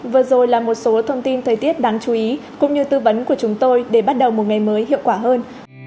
vừa rồi là một số thông tin thời tiết đáng chú ý cũng như tư vấn của chúng tôi để bắt đầu một ngày mới hiệu quả hơn